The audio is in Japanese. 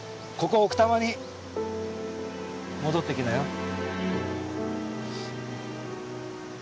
ここ奥多摩に戻ってきなよ。